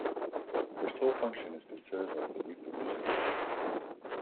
Her sole function is to serve as the reproducer.